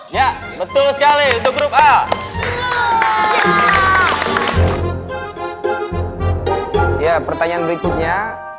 ya betul sekali untuk grup a ya pertanyaan berikutnya